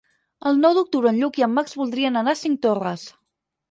El nou d'octubre en Lluc i en Max voldrien anar a Cinctorres.